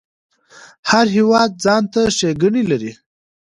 هر هیواد ځانته ښیګڼی لري